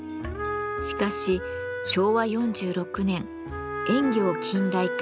しかし昭和４６年「塩業近代化